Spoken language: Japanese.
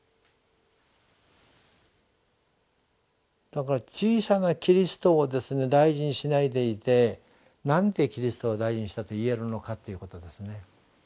だから小さなキリストを大事にしないでいてなんでキリストを大事にしたと言えるのかということですね。